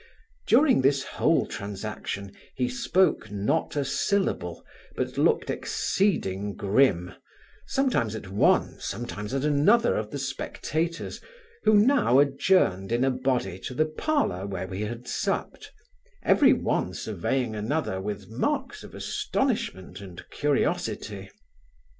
During this whole transaction he spoke not a syllable, but looked exceeding grim, sometimes at one, sometimes at another of the spectators, who now adjourned in a body to the parlour where we had supped, every one surveying another with marks of astonishment and curiosity.